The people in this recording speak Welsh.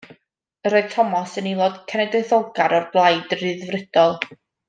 Yr oedd Thomas yn aelod cenedlaetholgar o'r Blaid Ryddfrydol.